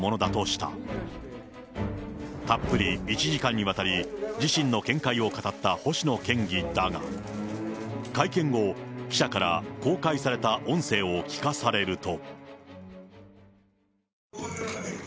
たっぷり１時間にわたり自身の見解を語った星野県議だが、会見後、記者から公開された音声を聞かされると。